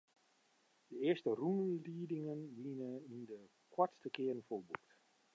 De earste rûnliedingen wiene yn de koartste kearen folboekt.